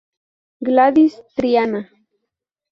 Gladys Triana.